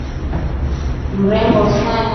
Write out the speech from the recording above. Kilima kinaangukiya nyumba